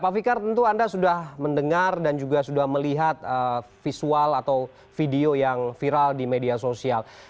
pak fikar tentu anda sudah mendengar dan juga sudah melihat visual atau video yang viral di media sosial